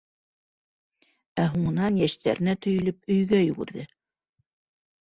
Ә һуңынан йәштәренә төйөлөп, өйгә йүгерҙе.